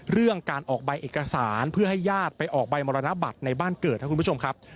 เรื่องการออกใบเอกสารเพื่อให้ญาติไปออกใบมรณบัตรในบ้านเกิดครับคุณผู้ชมครับ